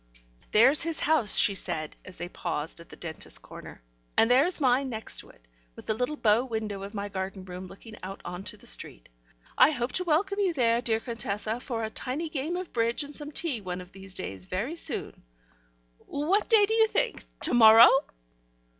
"There's his house," she said, as they paused at the dentist's corner, "and there's mine next it, with the little bow window of my garden room looking out on to the street. I hope to welcome you there, dear Contessa, for a tiny game of bridge and some tea one of these days very soon. What day do you think? To morrow?"